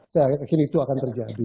saya yakin itu akan terjadi